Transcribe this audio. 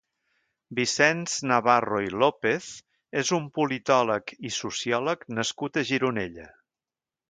Vicenç Navarro i López és un politòleg i sociòleg nascut a Gironella.